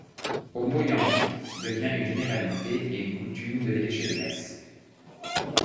Au Moyenvic devient une généralité et une coutume de l'évêché de Metz.